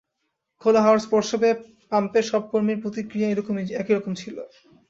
খোলা হাওয়ার স্পর্শ পেয়ে পাম্পের সব কর্মীর প্রতিক্রিয়া একইরকম ছিল।